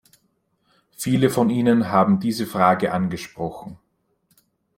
Viele von Ihnen haben diese Frage angesprochen.